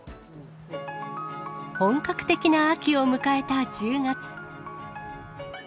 本格的な秋を迎えた１０月。